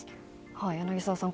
柳澤さん